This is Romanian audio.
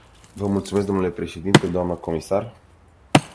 Vă mulțumesc, dle președinte, dnă comisar.